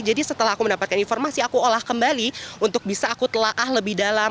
setelah aku mendapatkan informasi aku olah kembali untuk bisa aku telah lebih dalam